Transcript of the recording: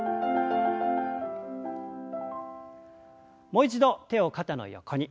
もう一度手を肩の横に。